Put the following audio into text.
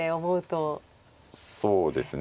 そうですね